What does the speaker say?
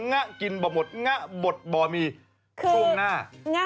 งะกินบ่อหมดงะบดบ่อมีช่วงหน้า